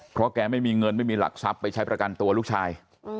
เพราะแกไม่มีเงินไม่มีหลักทรัพย์ไปใช้ประกันตัวลูกชาย